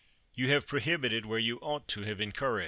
You have prohibited where you ought to have encouraged.